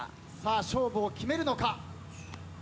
勝負を決めるのか？